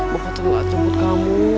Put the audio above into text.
bapak terlalu banyak tempat kamu